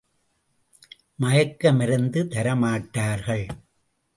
மயக்க மருந்து தரமாட்டார்கள்.